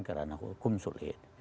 karena hukum sulit